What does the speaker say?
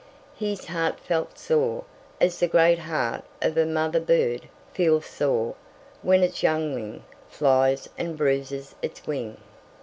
His heart felt sore, as the great heart of a mother bird feels sore when its youngling flies and bruises its wing.